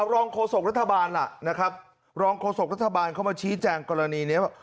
รองโฆษกรัฐบาลล่ะนะครับรองโฆษกรัฐบาลเข้ามาชี้แจงกรณีนี้ว่า